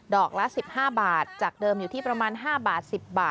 อกละ๑๕บาทจากเดิมอยู่ที่ประมาณ๕บาท๑๐บาท